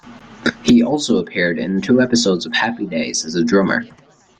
He also appeared in two episodes of "Happy Days" as a drummer.